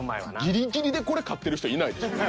ギリギリでこれ飼ってる人いないでしょ。